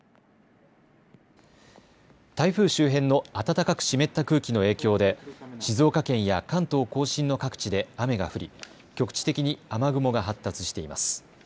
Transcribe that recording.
台風周辺の暖かく湿った空気の影響で静岡県や関東甲信の各地で雨が降り局地的に雨雲が発達しています。